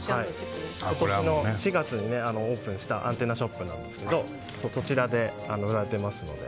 今年の４月にオープンしたアンテナショップなんですけどそちらで売られていますので。